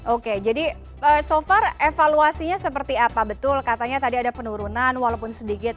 oke jadi so far evaluasinya seperti apa betul katanya tadi ada penurunan walaupun sedikit